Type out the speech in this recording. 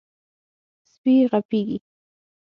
سپي غپېږي.